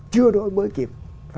chưa đổi mới kịp